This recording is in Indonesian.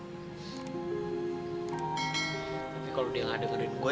tapi kalau dia gak dengerin gue